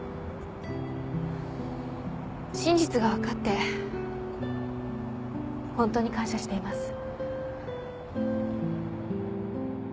真実が分かってホントに感謝しています。